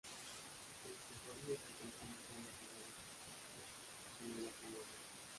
En sus orillas encontramos grandes ciudades como Lhasa que le da su nombre.